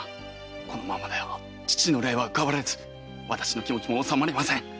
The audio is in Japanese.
このままでは父の霊は浮かばれず私の気持ちもおさまりません。